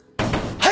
はい。